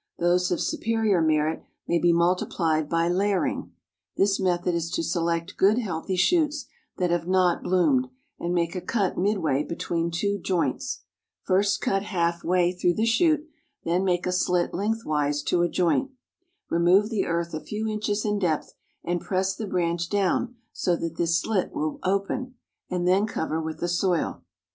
Those of superior merit may be multiplied by layering. This method is to select good healthy shoots that have not bloomed, and make a cut midway between two joints. First cut half way through the shoot, then make a slit lengthwise to a joint. Remove the earth a few inches in depth, and press the branch down so that this slit will open, and then cover with the soil.